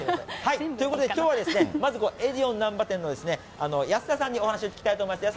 ということで、きょうはですね、まずエディオンなんば本店の安田さんにお話を聞きたいと思います。